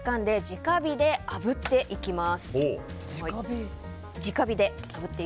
直火であぶっていきます。